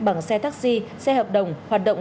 bằng xe taxi xe hợp đồng hoạt động